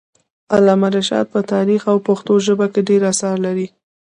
علامه رشاد په تاریخ او پښتو ژبه کي ډير اثار لري.